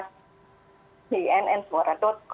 cnn suara com tirto fyfe itu ya sudah republish